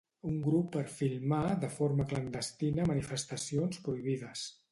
Un grup per filmar de forma clandestina manifestacions prohibides